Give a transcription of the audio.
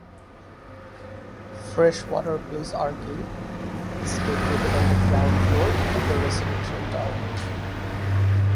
Freshwater Place Arcade is located on the ground floor of the residential tower.